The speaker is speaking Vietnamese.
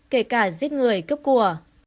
kể cả giết người cướp cùa